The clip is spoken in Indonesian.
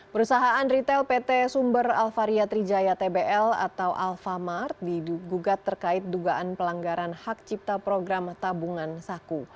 perusahaan retail pt sumber alvaria trijaya tbl atau alfamart digugat terkait dugaan pelanggaran hak cipta program tabungan saku